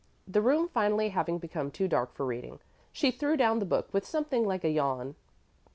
The room finally having become too dark for reading, she threw down the book with something like a yawn.